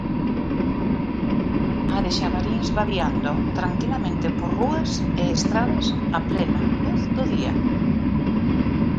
A de xabarís vadiando tranquilamente por rúas e estradas a plena luz do día.